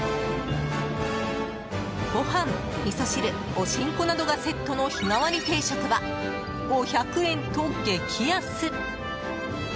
ご飯、みそ汁、おしんこなどがセットの日替わり定食は５００円と激安。